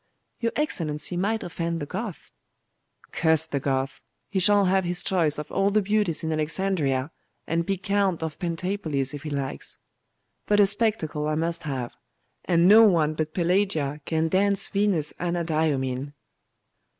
'Your Excellency might offend the Goth.' 'Curse the Goth! He shall have his choice of all the beauties in Alexandria, and be count of Pentapolis if he likes. But a spectacle I must have; and no one but Pelagia can dance Venus Anadyomene.